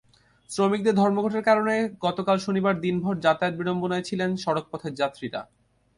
শ্রমিকদের ধর্মঘটের কারণে গতকাল শনিবার দিনভর যাতায়াত বিড়ম্বনায় ছিলেন সড়কপথের যাত্রীরা।